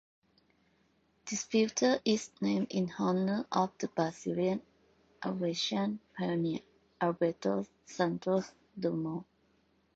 This feature is named in honour of the Brazilian aviation pioneer Alberto Santos-Dumont.